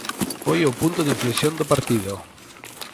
Foi o punto de inflexión do partido.